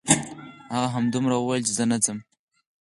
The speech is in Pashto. هغه همدومره وویل: ځه زه نه وځم.